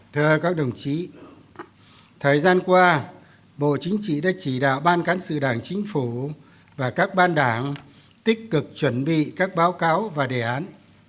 thưa các đồng chí thời gian qua bộ chính trị đã chỉ đạo ban cán sự đảng chính phủ và các ban đảng tích cực chuẩn bị các báo cáo và đề án